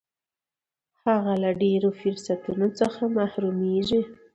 هغه له ډېرو فرصتونو څخه محرومیږي.